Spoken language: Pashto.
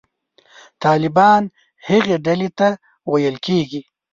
طالبان هغې ډلې ته ویل کېږي.